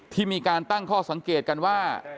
ที่มีการตั้งข้อสังเกตกันว่า